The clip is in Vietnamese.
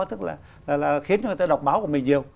tức là khiến cho người ta đọc báo của mình nhiều